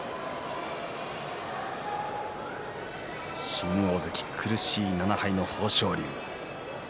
新大関、苦しい７敗の豊昇龍。